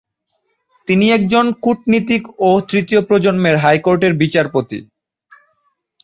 তিনি একজন কূটনীতিক ও তৃতীয় প্রজন্মের হাইকোর্টের বিচারপতি।